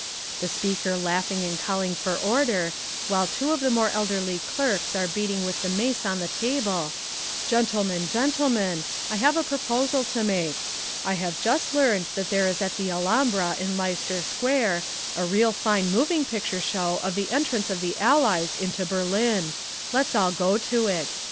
The Speaker laughing and calling for order, while two of the more elderly clerks are beating with the mace on the table, "Gentlemen, gentlemen, I have a proposal to make. I have just learned that there is at the Alhambra in Leicester Square, a real fine moving picture show of the entrance of the Allies into Berlin. Let's all go to it.